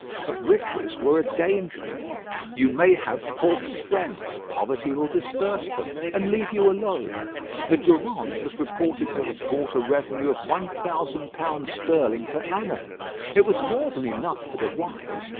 But riches were a danger. You may have false friends; poverty will disperse them, and leave you alone. The Durande was reported to have brought a revenue of one thousand pounds sterling per annum. It was more than enough for the wise.